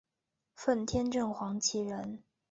奉天正黄旗人。